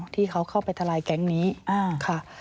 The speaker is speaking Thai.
ที่เขาเข้าไปทลายแก๊งนี้ค่ะ